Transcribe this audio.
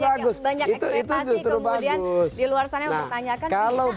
jadi walaupun banyak ekspetasi kemudian di luar sana bertanyakan